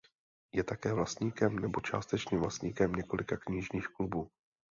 Je také vlastníkem nebo částečným vlastníkem několika knižních klubů.